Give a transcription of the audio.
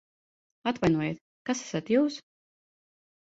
Atvainojiet, kas esat jūs?